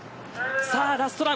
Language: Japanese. さあラストラン